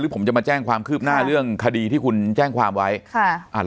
ผมจะมาแจ้งความคืบหน้าเรื่องคดีที่คุณแจ้งความไว้ค่ะ